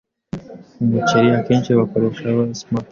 umuceri akenshi bakoresha Basmati